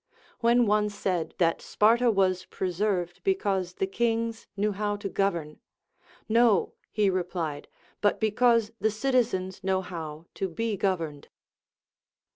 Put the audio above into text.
When one said that Sparta was preserved because the kings knew how to govern ; No, he replied, but because the citizens know how to be gov erned.